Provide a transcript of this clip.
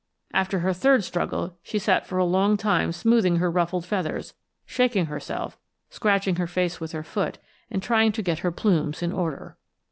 After her third struggle, she sat for a long time smoothing her ruffled feathers, shaking herself, scratching her face with her foot and trying to get her plumes in order.